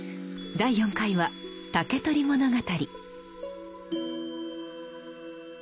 第４回は「竹取物語」。